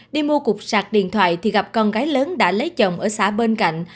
đi mua cục sạc điện thoại thì gặp con gái lớn đã lấy chồng ở xã bên cạnh